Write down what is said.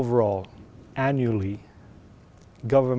và oecd đảm bảo rằng